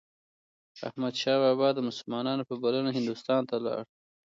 احمدشاه بابا د مسلمانانو په بلنه هندوستان ته لاړ.